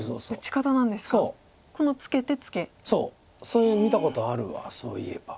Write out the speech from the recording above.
そういうの見たことあるそういえば。